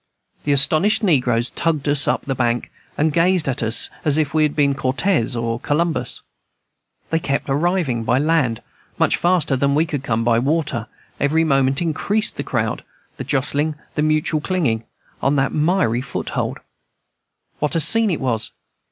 The astonished negroes tugged us up the bank, and gazed on us as if we had been Cortez and Columbus. They kept arriving by land much faster than we could come by water; every moment increased the crowd, the jostling, the mutual clinging, on that miry foothold. What a scene it was!